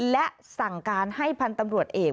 และสั่งการให้พันธุ์ตำรวจเอก